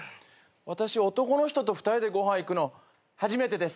私男の人と２人でご飯行くの初めてです。